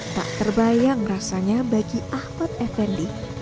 tak terbayang rasanya bagi ahmad effendi